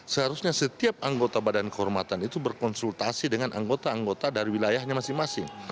seharusnya setiap anggota badan kehormatan itu berkonsultasi dengan anggota anggota dari wilayahnya masing masing